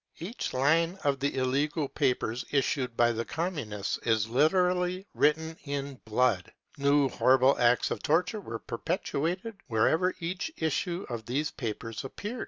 Each line of the illegal papers issued by the Communists is literally written in blood. New horrible acts of torture are perpetrated wherever each issue of these papers appears.